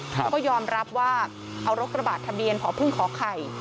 เขาก็ยอมรับว่าเอารถกระบะทะเบียนผอพึ่งขอไข่